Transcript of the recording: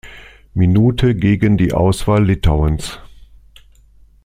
Minute gegen die Auswahl Litauens.